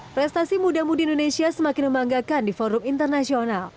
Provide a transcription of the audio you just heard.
prestasi muda muda indonesia semakin membanggakan di forum internasional